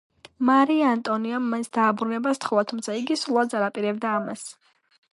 მარია ანტონიამ მას დაბრუნება სთხოვა, თუმცა იგი სულაც არ აპირებდა ამას.